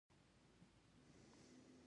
یو سړي اوښ له مهار نیولی او کشوي یې.